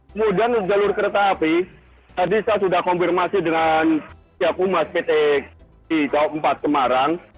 kemudian jalur kereta api tadi saya sudah konfirmasi dengan siapu mas pt ijo empat kemarang